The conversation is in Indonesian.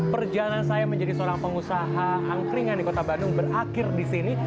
perjalanan saya menjadi seorang pengusaha angkringan di kota bandung berakhir di sini